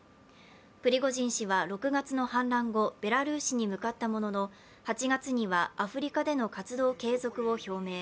プリゴジン氏は６月の反乱後ベラルーシに向かったものの８月にはアフリカでの活動継続を表明。